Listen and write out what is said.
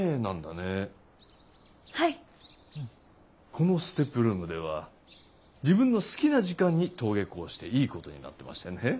このＳＴＥＰルームでは自分の好きな時間に登下校していいことになってましてね。